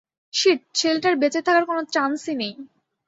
Sheet, ছেলেটার বেঁচে থাকার কোনো চান্সই নেই।